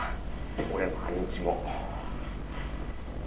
俺も兄貴も。